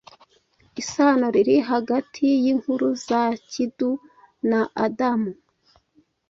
Isano riri hagati yinkuru za kidu / na Adamu